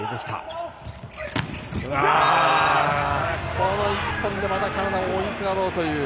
この１本でまたカナダは追いすがろうという。